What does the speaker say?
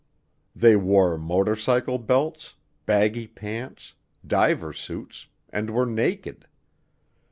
They wore motorcycle belts, baggy pants, diver suits, and were naked.